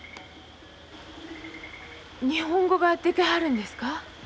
日本語ができはるんですか？